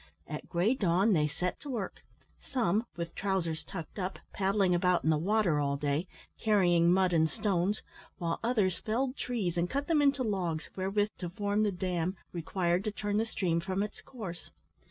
At grey dawn they set to work; some, with trousers tucked up, paddling about in the water all day, carrying mud and stones, while others felled trees and cut them into logs wherewith to form the dam required to turn the stream from its course.